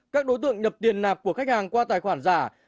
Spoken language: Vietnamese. các đối tượng nhập tiền nạp của khách hàng qua tài khoản giả